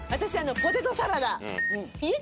私ポテトサラダ。